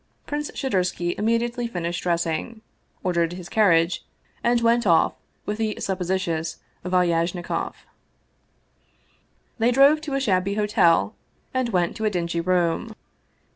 Prince Shadursky immediately finished dressing, ordered his carriage, and went out with the supposititious Val yajnikoff. They drove to a shabby hotel and went to a dingy room.